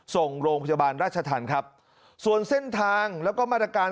ส่งโรงพยาบาลราชธรรมครับส่วนเส้นทางแล้วก็มาตรการ